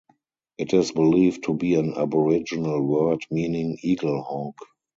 It is believed to be an Aboriginal word meaning "eagle hawk".